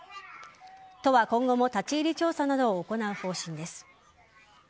都は今後も立ち入り調査などを行う方針です。